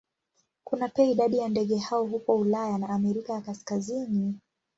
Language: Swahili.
Kuna pia idadi ya ndege hao huko Ulaya na Amerika ya Kaskazini.